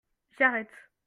J'arrête.